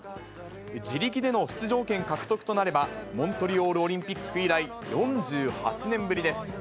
自力での出場権獲得となれば、モントリオールオリンピック以来、４８年ぶりです。